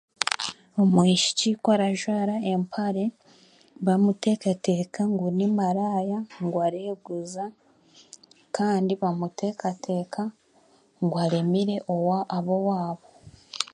Omwishiki ku arajwara empare, bamuteekateeka ngu ni maraaya ngu areeguza, kandi bamuteekateeka ngu aremire owa ab'owaabo